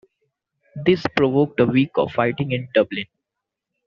This provoked a week of fighting in Dublin.